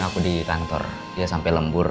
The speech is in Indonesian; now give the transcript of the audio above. aku di kantor dia sampe lembur